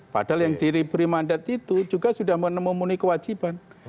padahal yang diberi mandat itu juga sudah memenuhi kewajiban